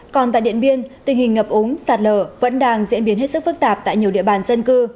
còn tại điện biên tình hình ngập ống sạt lở vẫn đang diễn biến hết sức phức tạp tại nhiều địa bàn dân cư